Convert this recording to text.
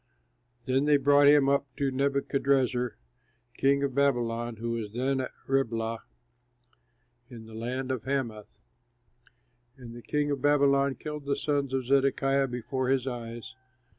Then they brought him up to Nebuchadrezzar, king of Babylon, who was then at Riblah in the land of Hamath. And the king of Babylon killed the sons of Zedekiah before his eyes.